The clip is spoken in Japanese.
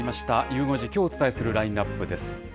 ゆう５時、きょうお伝えするラインナップです。